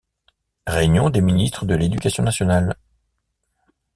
Réunions des ministres de l’Éducation nationale.